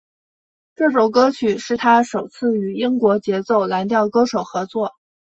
这首歌曲是他首次与英国节奏蓝调歌手合作。